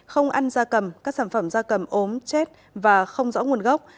không ăn da cầm các sản phẩm da cầm ốm chết và không rõ nguồn gốc